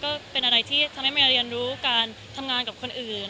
ก็เป็นอะไรที่ทำให้เมย์เรียนรู้การทำงานกับคนอื่น